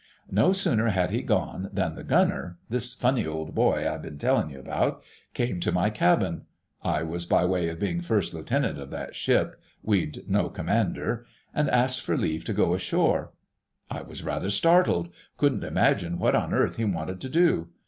"No sooner had he gone than the Gunner—this funny old boy I've been telling you about—came to my cabin (I was by way of being First Lieutenant of that ship—we'd no Commander) and asked for leave to go ashore. "I was rather startled: couldn't imagine what on earth he wanted to do.